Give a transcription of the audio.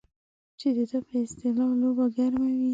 چې د ده په اصطلاح لوبه ګرمه وي.